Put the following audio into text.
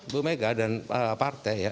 bumega dan partai ya